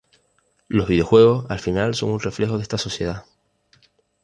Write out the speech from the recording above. los videojuegos al final son un reflejo de esta sociedad